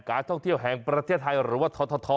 การท่องเที่ยวแห่งประเทศไทยหรือว่าทท